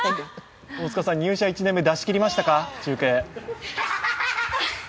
大塚さん、入社１年目、中継、出しきりましたか？